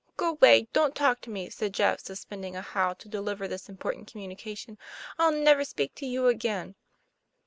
"Go 'way, don't talk to me, "said Jeff, suspending a howl to deliver this important communication. " I'll never speak to you again."